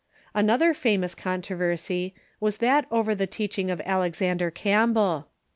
Another famous controversy was that over the teaching of Alexander Campbell.